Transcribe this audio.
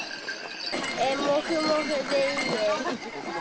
もふもふでいいです。